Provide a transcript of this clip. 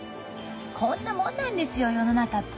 こんなもんなんですよ世の中って。